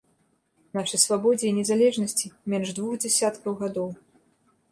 Нашай свабодзе і незалежнасці менш двух дзесяткаў гадоў.